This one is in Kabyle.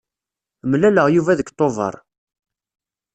Mlaleɣ Yuba deg tubeṛ.